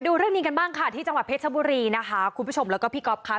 ดูเรื่องนี้กันบ้างค่ะที่จังหวัดเพชรบุรีนะคะคุณผู้ชมแล้วก็พี่ก๊อฟค่ะ